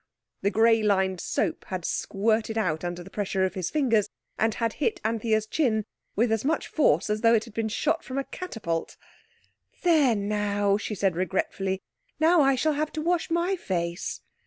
The grey lined soap had squirted out under the pressure of his fingers, and had hit Anthea's chin with as much force as though it had been shot from a catapult. "There now," she said regretfully, "now I shall have to wash my face."